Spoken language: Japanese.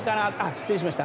失礼しました。